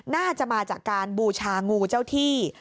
น่าจะมาจากการบูชางูเจ้าที่